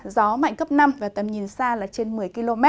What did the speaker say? gió mạnh cấp năm và tầm nhìn xa là trên một mươi km